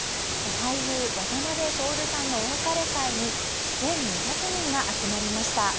俳優・渡辺徹さんのお別れ会に１２００人が集まりました。